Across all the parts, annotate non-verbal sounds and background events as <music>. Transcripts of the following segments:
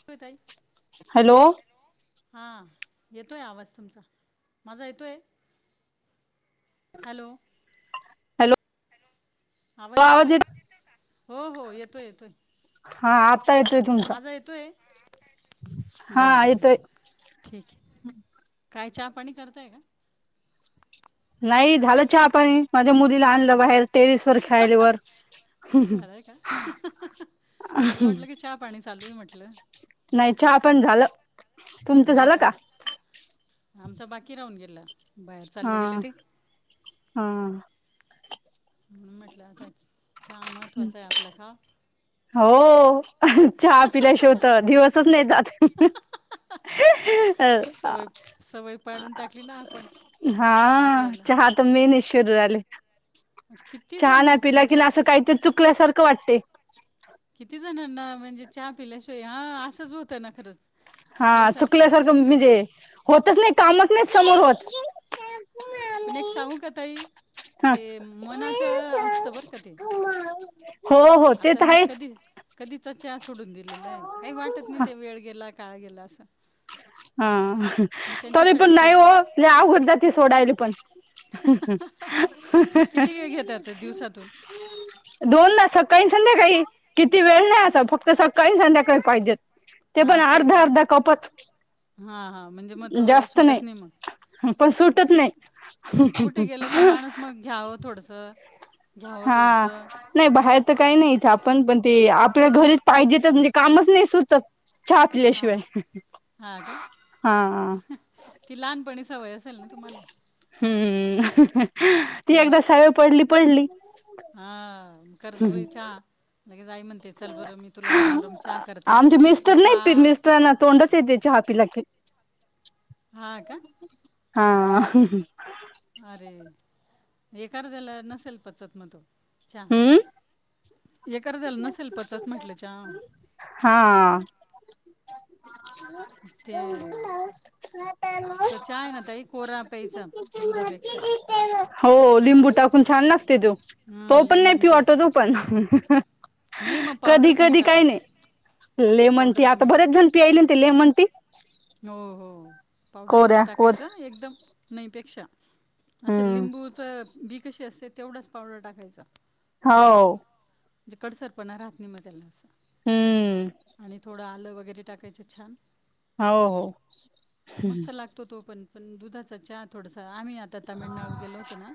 <unintelligible> Hello. Hello हां येतोय आवाज तुमचा माझा येतोय. हॅलो. हॅलो हॅलो आवाज येतोय, आवाज येतोय का हो हो येतोय येतोय. हा आत्ता येतोय तुमचा माझा येतोय बरं हा बरं येतोय. ठीक हे. काय चहा पाणी करताय का? नाही झालं चहापाणी माझ्या मुलीला आणलं बाहेर टेरिस वर खेळाल्या वर. झालंय का हा हा हा हा, मला वाटलं की चहा पाणी चालू आहे म्हटलं. नाही चहा पण झालं. झालं का, आमचा बाकी राहून गेला. बाहेर हा चालले गेले ते. हा म्हणून म्हटलं आता,, चहा महत्वाचा आहे आपल्या का? होऽऽऽ चहा पिल्या शिवाय तर दिवसच नाही जात. सवय, सवय पाडून टाकली ना आपण. हा, आपल्याला चहा तर मेन ईशू जाले. किती चहा जण नाही पिला कि म्हणजे असं काहीतरी चुकल्यासारखं वाटते. किती जणांना म्हणजे चहा पिल्याशिवाय हा असंच होतय ना खरंच. हा चुकल्यासारखं म्हणजे होतच नाही कामच नाही समोर होत. पण एक सांगू का ताई हा ते मनाचं असतं बरं का ते. हो हो ते आता तर मी आहेच कधी कधीचा च्या सोडून दिलेला आहे काही वाटत नाही ते वेळ गेला काळ गेला असं. हा मी तरी त्यांच्यासाठी पण नाही हो ठेवते लय अवघड जाती सोडायली पण. <inaudible> किती वेळ दिवसातून. दोन दा सकाळी संध्याकाळी,, किती वेळ नाही असं, फक्त सकाळी संध्याकाळी पाहिजेत. ते पण आसय अर्धा का,, अर्धा कपच हा हा. म्हणजे मग तो सुटत नाही मग,, पण नाही सुटत नाही, कुठे गेला का माणूस मग घ्यावं,, थोडसं. हां. नाही बाहेर तर काही नाही इथं आपण पण ते, आपल्या घरीच पाहिजे, तर म्हणजे कामच नाही सुचत. चहा हां पिल्याशिवाय,,, हां का हा, ती लहानपणी सवय असेल ना तुम्हाला? हम्म,,, ती एकदा सवय पडली, पडली. हा,, कर ग बई चहा. लगेच आई म्हणते, चल बरं मी तुला गरम गरम चहा करते,, आमचे मिस्टर म्हणजे नाहीत पीत तूऽ मिस्टरांना तोंडच येतेय चहा पिला की. हा का,, हा,, अरे एकाद्याला नसेल पचत मग तो चहा. हम्म एकरद्याला नसेल पचत म्हटलं चहा. हां,, ते हा म, मार तो चहा आहे ना ताई कोरा प्यायचा दुधापेक्षा <inaudible> हो,, लिंबू टाकून छान लागते तो,, तो हां पण नाही लेमन पिऊ टी वाटत, तो पण. नाही मग पावडर कधी कमी कधी काही टाकायचा नाही,, लेमन टी,, पावडर आता कमी बरेच टाका जण पियायले ना ते लेमन टी. हो हो,, पावडर कमी कोऱ्या कोर टाकायच हं एकदम,, नाहीपेक्षा. असं हम्म लिंबूचं बी कसं असते,, तेवढाच पावडर टाकायचा,, थोडसं. हो म्हणजे कडसरपणा राहात नाही मग त्याला,, हम्म असं आणि थोडं आलं वगैरे टाकायचं छान. हो हो,,, मस्त लागतो तो पण,, पण दुधाचा चहा थोडासा आम्हीऽ आता तामिळनाडू गेलो होतो ना,,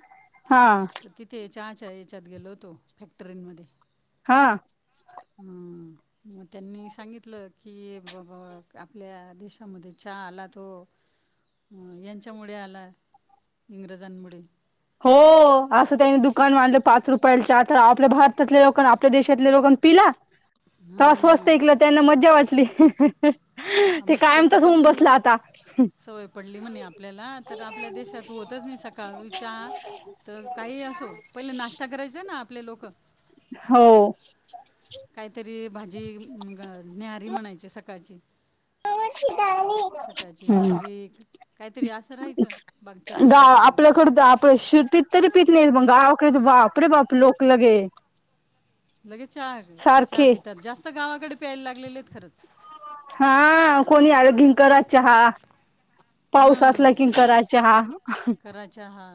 हा तर तिथऽ ते चहाच्या याच्यात गेलो होतो,, फॅक्टरींमध्येऽ हा, हम,, मग त्यांनी सांगितलं की बाबा,, आपल्या देशऽ मध्ये चहा आला तो यांच्यामुळे आला,, इंग्रजांमुळेऽ. हो,, असं त्यांनी दुकान मांडलं पाच रुपयाला चहा तर, आपल्या भारतातले लोक,, आपल्या देशातले लोक पिला. त स्वस्त हां ईकला, त्यांना मज्जा वाटली. ह, <inaudible> ते मग कायमचाच होऊन त्याच्यापासून ना,, बसला आता सवय पडली म्हणे आपल्याला,, तर आपल्या देशात होतऽ होतच नाही सकाळ, चहा,, तर काही असो,, पहिले नाश्ता करायचा ना आपले लोकं हो, काहीतरी भाजी न्याहारी म्हणायची सकाळची. सकाळची हम्म भाकरी काहीतरी असं राहायचं. बाग चटणी गा भाकरी वगैरे आपल्याकड आप शेतीत तरी पीत नाही, पण गावाकडे बापरे बाप लोक लगे लगेच चहा, चहा सारखे पितात, जास्त गावाकडे प्यायला लागलेले आहेत खरंच. हा,, कोणी आल की करा चहा. पाऊस असला हा,,, की करा चहा करा चाहा.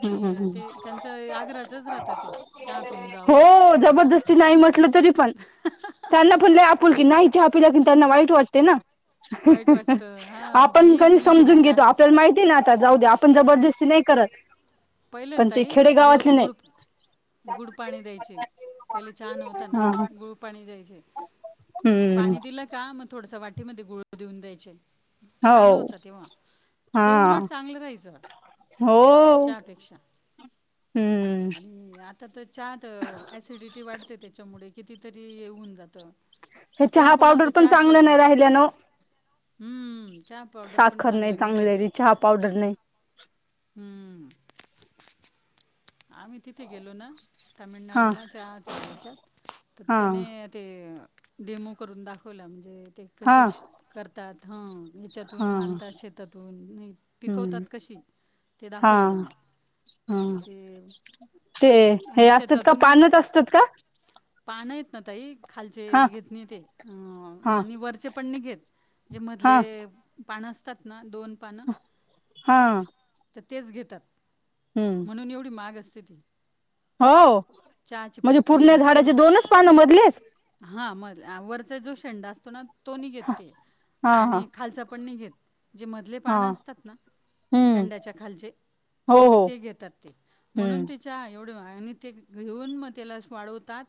आणि,, ते त्यांचं, आग्रहाच राहतं ते, चहा पिऊन जावा थोडसा किती नाही म्हटलं तरी पण,, त्यांना पण लय आपुल की,, एक नाही चहा पिला कि त्यांना वाईट वाटते ना. वाईट वाटतं हां आपण बाई पन तुम्ही बिना समजून घेतो, चहाचे आपल्याला चालले माहिती ना आता जाऊ द्या आपण जबरदस्ती नाही करत. पण पहिलेंना ते ताई गुड खेडेगावातले नाही गुडप गुळ पाणी द्यायचे पहिले चहा नव्हता ना हा गुळ पाणी द्यायचे. हम्म पाणी दिलं का मग थोडस वाटीमध्ये गुळ देऊन द्यायचे. छान हो होता तेव्हा हा ते उलट चांगलं राहायचं. हो चहापेक्षा हम्म आणि आता तर चहात ॲसिडिटी वाढते त्या त्याच्यामुळे कितीतरी येऊन जातं. हे कोणा चहा कोणाला पावडर तर पण चहा शिवाय चांगलं तर नाही राहिल्या ना हम्म चहा पावडर पण साखर चांगलं नाही राहिला चांगली चहा पावडर नाही हम्म आम्ही तिथे गेलो ना हा तामिळनाडूला चहाच्या ह्याच्यात तर हा त्याने ते डेमो करून दाखवला म्हणजे ते हा कसे करतात हं. हा याच्यातून आणता शेतातून पिकवतात हम्म कशी ते हा दाखवलं त्याने हा मग ते ते हे आणि असतात का शेतातून पानच असतात का पानं येत ना ताई खालचे हा घेत नाही ते अ हा म्हणे वरचे पण नाही घेत. जे मधले हा पान असत <unintelligible> त ना दोन पान हा तर तेच घेतात. हम्म म्हणून एवढी महाग असते ती. हो चहाची म्हणजे पत्ती पुर्ण झाडाचे दोनच पानं मधले. हा म वरचा जो शेंडा असतो ना तो नाही घेत ते हा हा आणि खालसा पण नाही घेत जे मधले हा पाणं असतात ना हम्म शंड्याच्या खालचे हो हो ते घेतात. म्हणून हम्म ती चहा एवढी आणि ते घेऊन मग त्याला वाढवतात.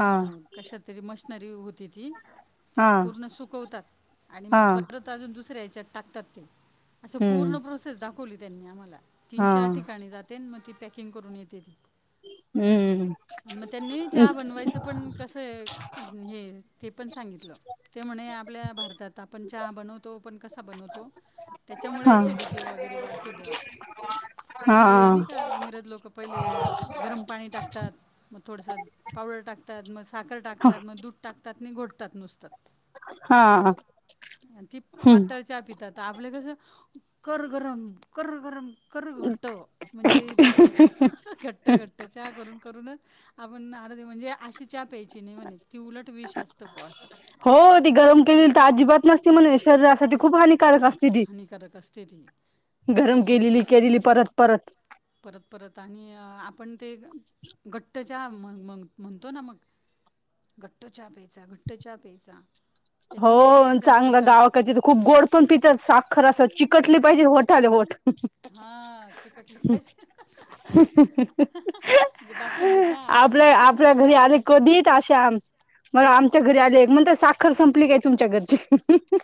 हा अ कशात तरी मशनरी होती ती. हा तिला पूर्ण सुकवतात आणि मग हा परत अजून दुसऱ्या याच्यात टाकतात ते. असं पूर्ण हम्म प्रोसेस दाखवली त्यांनी आम्हाला तीन हा चार ठिकाणी पकिंग करून येते हम्म मग त्यांनी चहा बनवायचं पण कसंय हे ते पण सांगितलं. ते म्हणे आपल्या भारतात आपण चहा बनवतो पण कसा बनवतो. त्याच्यामुळे ॲसिडिटी वगैरे वाढते बोसं. ह <inaudible> ते नाही का इंग्रज लोकं पहिले गरम पाणी टाकतात. मग थोडसं पावडर टाकतात मग साखर टाकतात मग दूध टाकतात नाही घोटतात नुसत. हा आणि ती हम्म पातळ चहा पितात. तर आपलं कसं कर गरम कर गरम कर घट्ट. म्हणजे ती घट्ट घट्ट चहा करून करूनच आपण अर्दी म्हणजे अशी चहा प्यायची नाही म्हणे ती उलट विश असत प असं हो ती गरम केलेली तर अजिबात नसती म्हणे शरीरासाठी खूप हानिकारक असते. हानिकारक असते ती गरम त्याच्यामुळे केलेली ते केलेली परत परत. परत परत आणि आपण ते घट्टच्या म म म्हणतो ना मग घट्टचहा प्यायचा घट्टचहा प्यायचा त्याच्यामुळे ते हो जास्त चांगला त्रास होतो गावाकाची तर खूप गोड पण पितात साखर असं चिकटली पाहिजे होठाले होट. <inaudible> हां चिकटले पाहिजे म्हणजे बासुंदी चहा आता तर आपल्या किती आपल्या दुकाने घरी आले टाकलेले आहेत कधी अशा मला आमच्या घरी आले म्हणते साखर संपली काय तुमच्या घरची?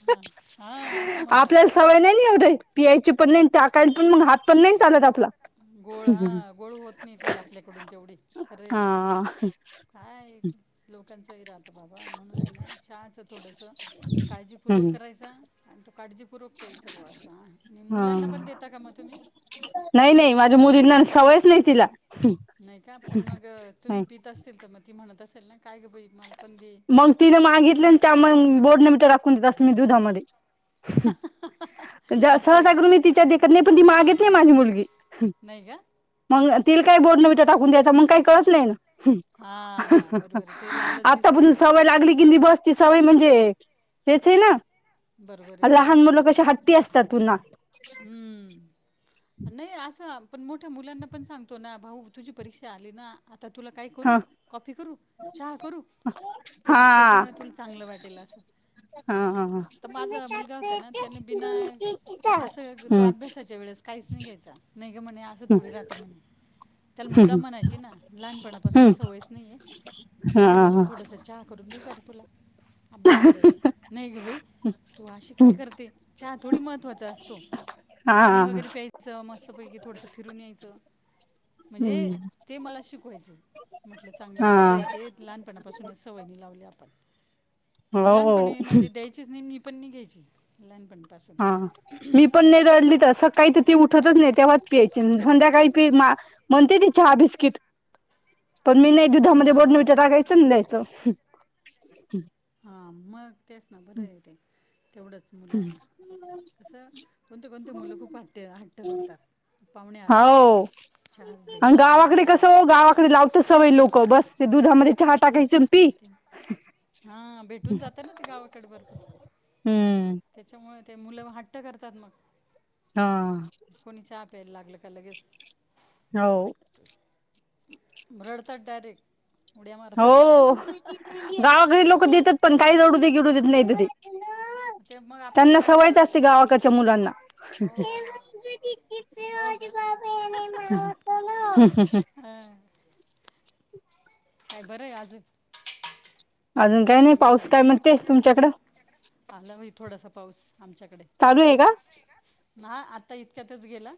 हां हां असं म्हणतात आपल्याला सवय नाही नि एवढी ना पियायची पण नाही टाकायला पण मग हात पण नाही चालत आपला गोड हां गोड होत नाही ती आपल्याकडून तेवढी खरं आहे ते हा काय लोकांचंही राहतं बाबा म्हणून आहे ना चहाच थोडस काळजीपूर्वक हा करायचा आणि तो काडजीपूर्वक प्यायचं ब अस आणि मुलांना पण देता का मग तुम्ही? नाही नाही माझ्या मुलींना सवयच नाही तिला. नाही का पण मग अ, तुम्ही पित असतील तर मग ती म्हणत असेल ना काय ग बाई मालपण दे. मग तिने मागितले आणि त्या बोर्ने मीठा टाकून देत असते मी दुधामध्ये <unintelligible> असं आहे सहसा का मी तिच्या देखत नाही पण ती मागेत नाही माझी मुलगी. <unintelligible> नाही का मग तिला काही बोनविटा टाकून द्यायं मग काही कळत नाही ना हा हा बर बर ते लालच दिसत आतापासून बस सवय लागली कि बसती सवय म्हणजे हेच आहे ना बरोबर आहे लहान बरोबर आहे मुलं कशी हट्टी असतात पुन्हा <unintelligible> हम्म- नाही असं पण मोठ्या मुलांना पण सांगतो ना भाऊ तुझी परीक्षा आली ना <unintelligible> आता तुला काय करू ह कॉफी करू चहा करू <unintelligible> हा त्याच्यामुळे तुला चांगलं वाटेल असं <unintelligible> हा हा तर माझा मुलगा होता ना त्याने बिना <unintelligible> असं तो हम्म अभ्यासाच्या वेळेस काहीच नाही घ्यायचा नाही ग म्हणे असं थोडी राहत म्हणे <unintelligible> त्याला मुद्दा हम्म म्हणायची ना लहानपणापासून हम्म सवयच नाहीये हा अरे भाऊ थोडस चहा <unintelligible> करून देऊ का रे तुला <unintelligible> अभ्यास करायला नाही ग बाई तू अशी काय करते चहा थोडी महत्त्वाच अस <unintelligible> पाणी वगैरे प्यायचं मस्त पैकी थोडसं फिरून यायचं. <unintelligible> म्हणजे ते मला शिकवायचे म्हटलं चांगलं आहे हा बरं हा आहे ते. <unintelligible> लानपणापासूनच सवय नाही लावली आपण लहानप हो म्हणजे द <unintelligible> नाही मी पण नाही घ्यायची लहानपणीपासून हा <unintelligible> मी पण नाही रडली तर सकाळी तर ती उठतच नाही तेव्हा <unintelligible> सध्याकाळी म्हणते ती चहा बिस्कीट पण मी नाही <unintelligible> दुधामध्ये हां हां बोडमिटा टायचं नाही द्यायचं <unintelligible> हा मग तेच ना बरं आहे ते तेवढंच? <unintelligible> मुलांना तसं कोणती कोणती मुलं खूप हट्ट हट्ट करतात. <unintelligible> आले का हो चहाच दे आणि चहाच गावाकडे दे मला कसं हो गावाकडे लावत सवय लोक बस ते दुधामध्ये चहा टाकायच अन पी आणि ते हां भेटून <unintelligible> जातं ना ते गावाकडे बरोबर हम्म <unintelligible> त्याच्यामुळे ते मुलं हट्ट करतात मग. <unintelligible> हा <unintelligible> कोणी चाहा प्यायला लागल की लगेच <unintelligible> हो. <unintelligible> रडतात डायरेक्ट उड्या मारतात <unintelligible> हो गावाकडील लोक देतात पण काही रडू दे गिडू देत नाही ती. ते <unintelligible> मग त्यांना आपल्याला रागवतात सवयच असती गावाकच्या मुलांना. हो का <unintelligible> <unintelligible> <unintelligible> हं <unintelligible> काय बर आहे आज. <unintelligible> अजून काय नाही पाऊस काय म्हणते तुमच्याकडं? <unintelligible> आला भाई थोडासा पाऊस आमच्याकडे चालू आहे का <unintelligible> हा आता इतक्यातच गेल <unintelligible>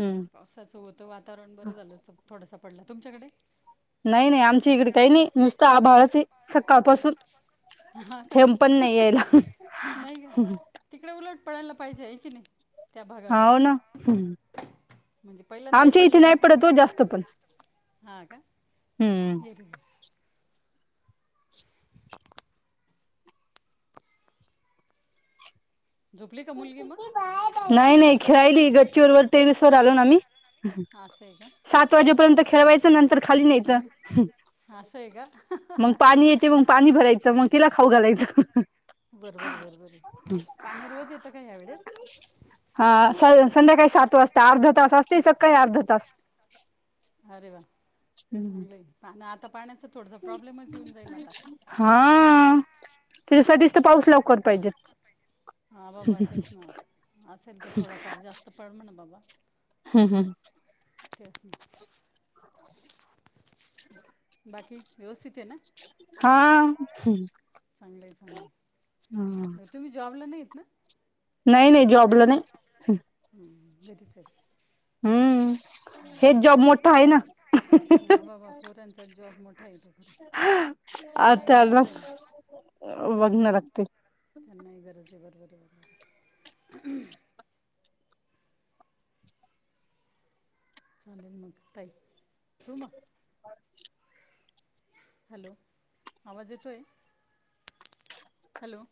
हम्म <unintelligible> असंचं होतं वातावरण बरं झालं थोडासा पडला तुमच्याकडे? <unintelligible> नाही नाही आमच्या इकडे काही नाही नुसतं आभावाचे <unintelligible> सकाळपासून हा का थेम पण नाही यायला नाही का <unintelligible> तिकडे उलट पडायला पाहिजे आहे की नाही त्या भागाकडे हाव ना <unintelligible> म्हणजे पहिल्यांदाही आमच्या इथे पडलेला नाही का पडत पाऊस ओ जास्त पण <unintelligible> हा का हम्म जर <unintelligible> झोपली का मुलगी मग <unintelligible> नाही नाही खेळाली गच्चीवरवरर टेरिस वर आलो ना आम्ही <unintelligible> असं आहे का सात वाजेपर्यंत खेळवायचं नंतर खाली नाही न्यायचं ना असं आहे का ते मग पाणी भरायचं मग तिला खाऊ घालायचं बरोबर आहे बरोबर आहे पाने रोज येतं का यावेळेस हा संध्याकाळी सात वाजता अर्ध तास असते सकाळी अर्ध तास अरे वा चांगलं पा आता पाण्याचा थोडस प्रॉब्लेमच येऊन जाईल आता हा त्याच्यासाठीच तर पाऊस लवकर पाहिजेत हा बाबा तेच ना असेल तर थोडाफार जास्त पड म्हणा बाबा हम हम त्याच म बाकी व्यवस्थित आहे ना हा चांगलं आहे चांगलं आहे हम तुम्ही जॉबला नाहीत ना नाही जॉबला नाही जॉब नाही घरीच आहे हम्म हेच जॉब ह् मोठा आहे ना जठ आहे ह बाबा पोरांचा जॉब मोठा येतो खरंच त्यांना ह गरज आहे ना वघ् न लागते त्यांना गरज आहे बरोबर बरोबर आहे चालेल मग तय होू म हॅलो आवाज येतोय हॅलो